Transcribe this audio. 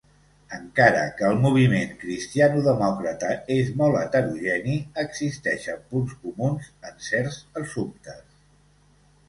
Encara que el moviment cristianodemòcrata és molt heterogeni, existeixen punts comuns en certs assumptes.